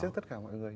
trước tất cả mọi người